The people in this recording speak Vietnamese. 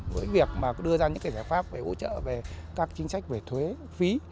với việc đưa ra những giải pháp hỗ trợ về các chính sách về thuế phí